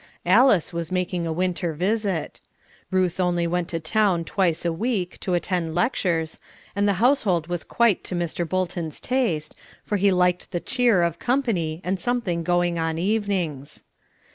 Alice was making a winter visit. Ruth only went to town twice a week to attend lectures, and the household was quite to Mr. Bolton's taste, for he liked the cheer of company and something going on evenings.